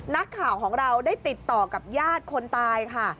นักข่าวของเราได้ติดต่อกับญาติคนตายค่ะ